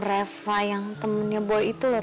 reva yang temennya boy itu loh